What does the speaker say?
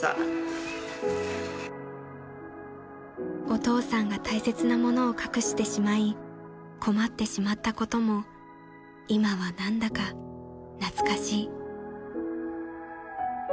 ［お父さんが大切な物を隠してしまい困ってしまったことも今は何だか懐かしい］